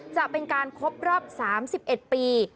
จะเป็นการครบรอบ๓๑ปี